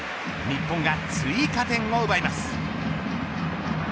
日本が追加点を奪います。